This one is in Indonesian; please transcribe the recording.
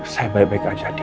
saya baik baik saja din